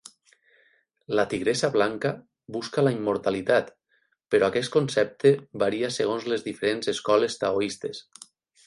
La Tigressa Blanca busca la immortalitat però aquest concepte varia segons les diferents escoles taoistes.